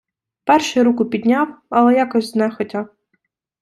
Перший руку підняв, але якось знехотя.